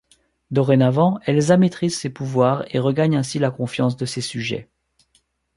Dorénavant, Elsa maîtrise ses pouvoirs et regagne ainsi la confiance de ses sujets.